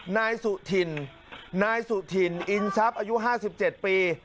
นายสุธินนายสุธินอินทรัพย์อายุ๕๗ปี